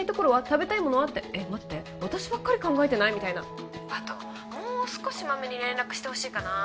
食べたいものは？ってえっ待って私ばっかり考えてない？みたいなあともう少しマメに連絡してほしいかな